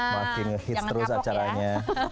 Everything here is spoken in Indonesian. makin hits terus acaranya